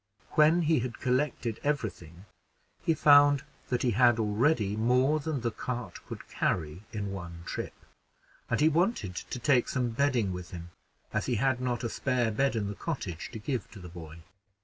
When he had collected every thing, he found that he had already more than the cart could carry in one trip; and he wanted to take some bedding with him, as he had not a spare bed in the cottage to give to the boy.